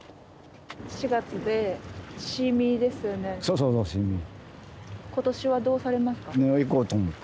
そうそうそうシーミー。